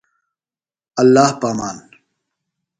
اللہ پہ امان۔